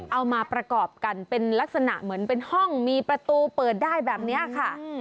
เอามาประกอบกันเป็นลักษณะเหมือนเป็นห้องมีประตูเปิดได้แบบนี้ค่ะ